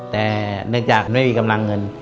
แต่เนื่องจากไม่มีกำลังเงิน